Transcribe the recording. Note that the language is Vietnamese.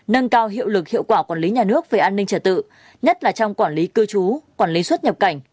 nâng cao hiệu lực hiệu quả quản lý nhà nước về an ninh trật tự nhất là trong quản lý cư trú quản lý xuất nhập cảnh